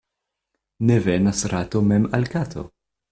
Ne venas rato mem al kato.